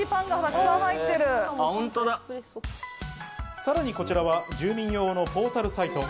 さらにこちらは住民用のポータルサイト。